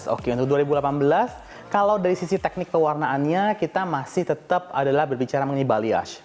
oke untuk dua ribu delapan belas kalau dari sisi teknik pewarnaannya kita masih tetap adalah berbicara mengenai balias